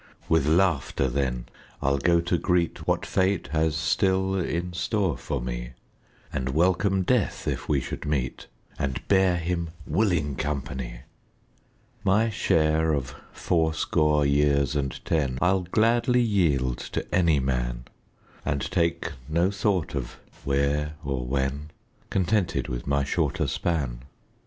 With laughter, then, I'll go to greet What Fate has still in store for me, And welcome Death if we should meet, And bear him willing company. My share of fourscore years and ten I'll gladly yield to any man, And take no thought of " where " or " when," Contented with my shorter span.